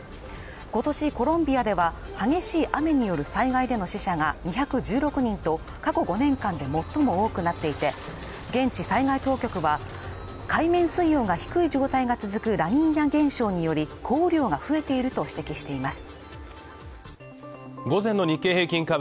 今年コロンビアでは激しい雨による災害での死者が２１６人と過去５年間で最も多くなっていて現地災害当局は海面水温が低い状態が続くラニーニャ現象により降雨量が増えていると指摘しています